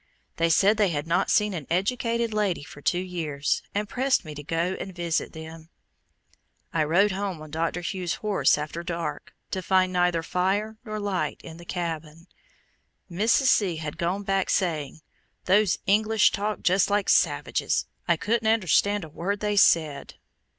They said they had not seen an educated lady for two years, and pressed me to go and visit them. I rode home on Dr. Hughes's horse after dark, to find neither fire nor light in the cabin. Mrs. C. had gone back saying, "Those English talked just like savages, I couldn't understand a word they said."